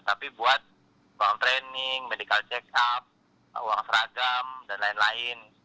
tapi buat uang training medical check up uang seragam dan lain lain